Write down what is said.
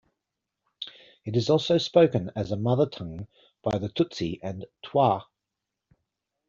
It is also spoken as a mother tongue by the Tutsi and Twa.